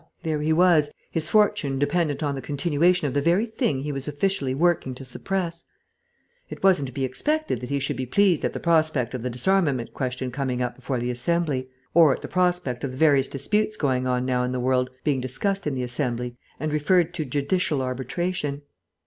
So there he was, his fortune dependent on the continuation of the very thing he was officially working to suppress. It wasn't to be expected that he should be pleased at the prospect of the disarmament question coming up before the Assembly; or at the prospect of the various disputes going on now in the world being discussed in the Assembly and referred to judicial arbitration.